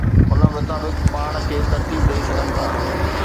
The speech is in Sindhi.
ان مطابق پاڻ کي ترتيب ڏئي سگھن ٿا.